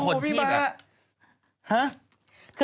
โอ้โหพี่แม่